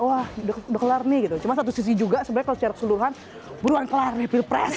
wah udah kelar nih gitu cuma satu sisi juga sebenarnya kalau secara keseluruhan buruan kelar nih pilpres